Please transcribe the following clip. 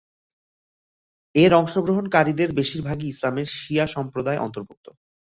এর অংশগ্রহণকারীদের বেশিরভাগই ইসলামের শিয়া সম্প্রাদয় অন্তর্ভুক্ত।